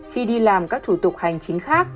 khi đi làm các thủ tục hành chính khác